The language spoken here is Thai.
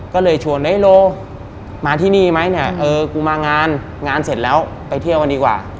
ก็เลยชวนนายโลมาที่นี่ไหมเนี่ยเออกูมางานงานเสร็จแล้วไปเที่ยวกันดีกว่า